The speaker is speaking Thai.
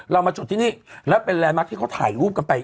เรามาจุดที่นี่แล้วเป็นแรงมักที่เขาถ่ายรูปกันไป